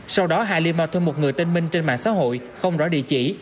sau đó halima thuê một người tên minh trên mạng xã hội không rõ địa chỉ